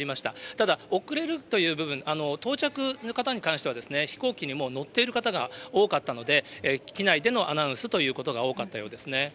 ただ、遅れるという部分、到着の方に関しては、飛行機にもう乗っている方が多かったので、機内でのアナウンスということが多かったようですね。